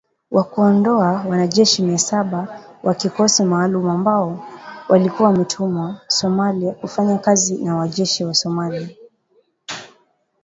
Wa kuwaondoa wanajeshi mia saba wa kikosi maalum ambao walikuwa wametumwa Somalia kufanya kazi na wanajeshi wa Somalia.